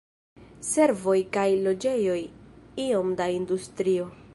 Servoj kaj loĝejoj, iom da industrio.